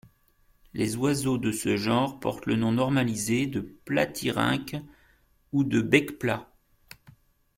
Les oiseaux de ce genre portent le nom normalisé de Platyrhynque ou de Bec-plat.